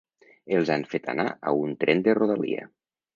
Els han fet anar a un tren de rodalia.